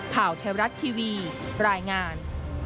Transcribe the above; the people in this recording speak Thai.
ข่าวเทวรัฐทีวีรายงาน